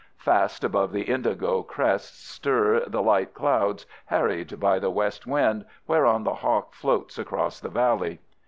Fast above the indigo crests stir the light clouds, harried by the west wind whereon the hawk floats across the valley.